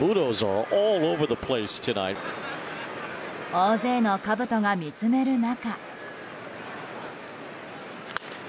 大勢のかぶとが見つめる中。